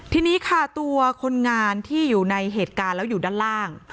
ทีนี้ค่ะตัวคนงานที่อยู่ในเหตุการณ์แล้วอยู่ด้านล่าง